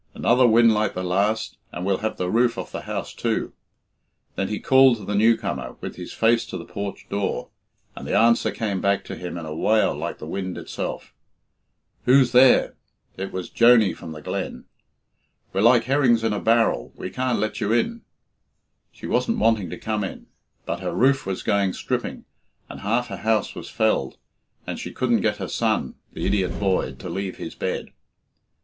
Another wind like the last and we'll have the roof off the house too." Then he called to the new comer, with his face to the porch door, and the answer came back to him in a wail like the wind itself. "Who's there?" It was Joney from the glen. "We're like herrings in a barrel we can't let you in." She wasn't wanting to come in. But her roof was going stripping, and half her house was felled, and she couldn't get her son (the idiot boy) to leave his bed.